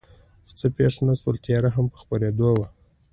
خو څه پېښ نه شول، تیاره هم په خپرېدو وه.